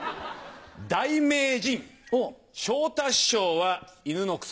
大名人昇太師匠は犬のクソ。